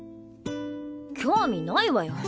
興味ないわよ